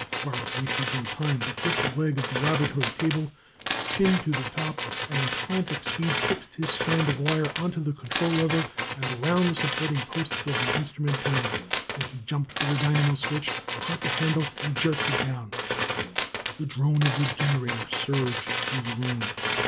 Garth wasted no time, but gripped a leg of the laboratory table, shinned to the top and with frantic speed fixed his strand of wire onto the control lever and round the supporting posts of the instrument panel. Then he jumped for the dynamo switch, caught the handle and jerked it down. The drone of a generator surged through the room.